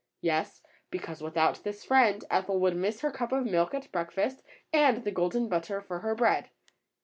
Yes, because without this friend Ethel would miss her cup of milk at breakfast and the golden butter for her bread.